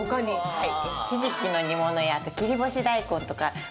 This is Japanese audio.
はい。